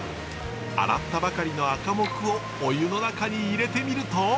洗ったばかりのアカモクをお湯の中に入れてみると。